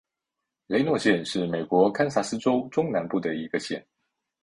雷诺县是美国堪萨斯州中南部的一个县。